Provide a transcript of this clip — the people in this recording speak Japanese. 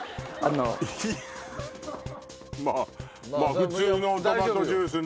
まぁ普通のトマトジュースの。